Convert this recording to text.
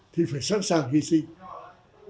thì phải sẵn sàng hy sinh